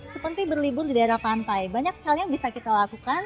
seperti berlibur di daerah pantai banyak sekali yang bisa kita lakukan